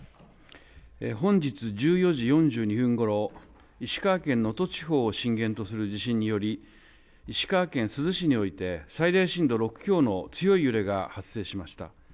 本日１４時４２分ごろ石川県能登地方を震源とする地震により石川県珠洲市において最大震度６強の強い揺れが発生しました。